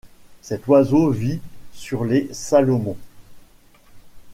Cet oiseau vit sur les Salomon.